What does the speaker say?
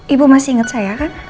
ibu masih ingat saya kan